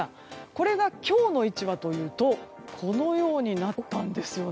これが今日の位置はというとこのようになったんですよね。